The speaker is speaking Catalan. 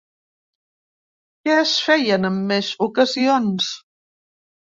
Que es feien en més ocasions?